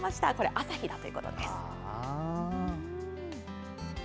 朝日だということです。